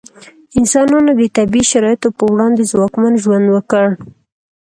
انسانانو د طبیعي شرایطو په وړاندې ځواکمن ژوند وکړ.